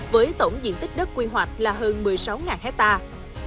với tổng diện tích đất quy hoạch là hơn một mươi sáu hectare